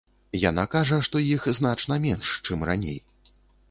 Яна кажа, што іх значна менш, чым раней.